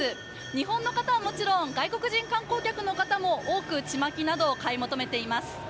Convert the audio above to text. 日本の方はもちろん、外国人観光客の方も多くちまきなどを買い求めています。